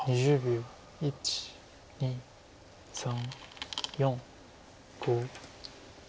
１２３４５。